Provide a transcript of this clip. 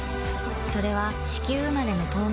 それは地球生まれの透明感